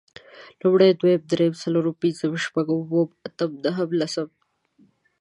لومړی، دويم، درېيم، څلورم، پنځم، شپږم، اووم، اتم نهم، لسم